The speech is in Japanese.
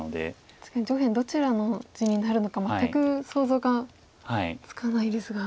確かに上辺どちらの地になるのか全く想像がつかないですが。